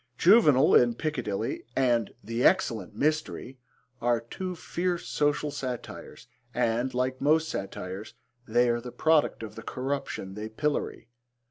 Juvenal in Piccadilly and The Excellent Mystery are two fierce social satires and, like most satires, they are the product of the corruption they pillory.